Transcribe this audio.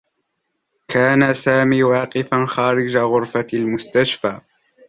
كان سامي واقفا خارج غرفة المستشفى.